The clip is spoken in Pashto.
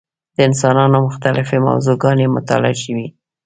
د انسانانو مختلفې موضوع ګانې مطالعه شوې.